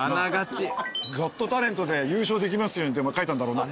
『ＧｏｔＴａｌｅｎｔ』で優勝できますようにって書いたんだろうな。